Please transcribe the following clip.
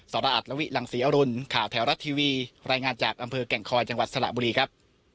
รอัตลวิหลังศรีอรุณข่าวแถวรัฐทีวีรายงานจากอำเภอแก่งคอยจังหวัดสระบุรีครับ